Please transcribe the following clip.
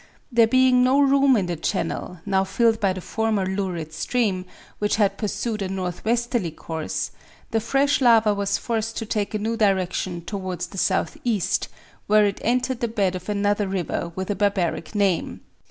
There being no room in the channel, now filled by the former lurid stream, which had pursued a northwesterly course, the fresh lava was forced to take a new direction towards the southeast, where it entered the bed of another river with a barbaric name.